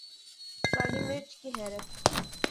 کالی مرچ کے حیرت